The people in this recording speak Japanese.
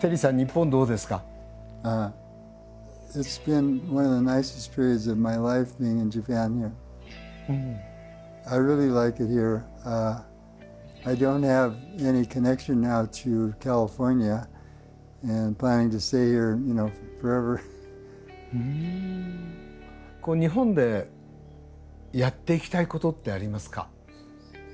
日本でやっていきたいことってありますか？